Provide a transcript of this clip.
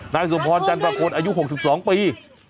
นายสมพรจันประโคนอายุ๖๒ปี